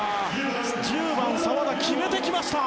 １０番、澤田決めてきました！